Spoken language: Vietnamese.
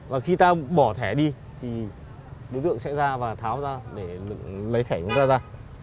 và khi ta bỏ thẻ đi thì đối tượng sẽ ra và tháo ra để lấy thẻ chúng ta ra